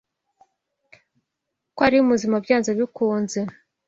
Ko ari muzima byanze bikunze.